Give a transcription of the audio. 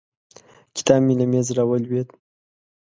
کتاب مې له مېز راولوېد.